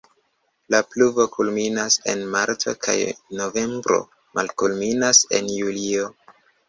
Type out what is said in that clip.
La pluvo kulminas en marto kaj novembro, malkulminas en julio.